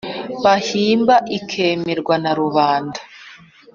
bahimba ikemerwa na rubanda.